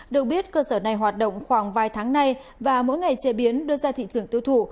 được biết cơ sở này hoạt động khoảng vài tháng nay và mỗi ngày chế biến đưa ra thị trường tiêu thụ